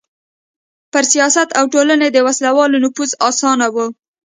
پر سیاست او ټولنې د وسله والو نفوذ اسانه و.